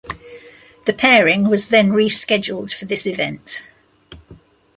The pairing was then rescheduled for this event.